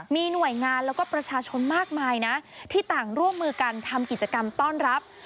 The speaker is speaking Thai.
มีหน่วยงานแล้วก็ประชาชนมากมายนะที่ต่างร่วมมือกันทำกิจกรรมต้อนรับ